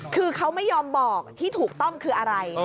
คือเขาไม่ยอมบอกที่ถูกต้องคืออะไร